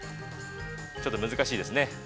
ちょっと難しいですね。